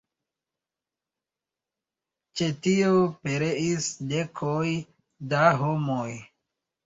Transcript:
Ĉe tio pereis dekoj da homoj.